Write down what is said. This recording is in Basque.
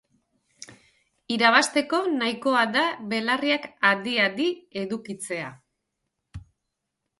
Irabazteko nahikoa da belarriak adi adi edukitzea!